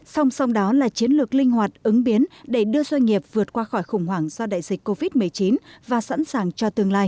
song song đó là chiến lược linh hoạt ứng biến để đưa doanh nghiệp vượt qua khỏi khủng hoảng do đại dịch covid một mươi chín và sẵn sàng cho tương lai